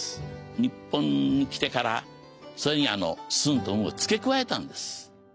日本に来てからそれに「スン」と「ウン」を付け加えたんです。